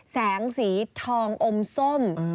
แสงสีทองอมส้ม